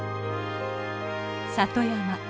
里山